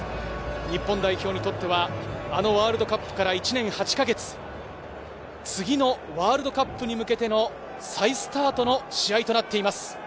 日本代表にとってはあのワールドカップから１年８か月、次のワールドカップに向けての再スタートの試合となっています。